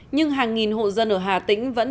nhưng hàng nghìn hộ dân ở hà tĩnh vẫn